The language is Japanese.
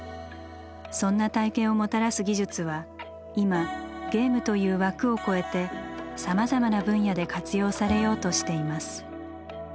そんな体験をもたらす技術は今ゲームという枠を超えてさまざまな分野で活用されようとしています。